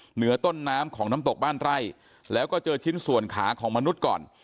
เหนือต้นน้ำของน้ำตกบ้านไร่แล้วก็เจอชิ้นส่วนขาของมนุษย์ก่อน